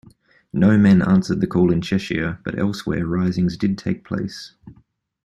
No men answered the call in Cheshire, but elsewhere risings did take place.